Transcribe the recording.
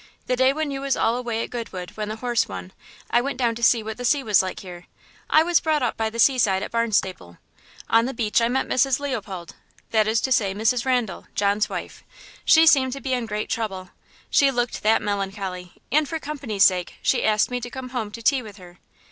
The day when you was all away at Goodwood when the horse won, I went down to see what the sea was like here. I was brought up by the seaside at Barnstaple. On the beach I met Mrs. Leopold, that is to say Mrs. Randal, John's wife; she seemed to be in great trouble, she looked that melancholy, and for company's sake she asked me to come home to tea with her.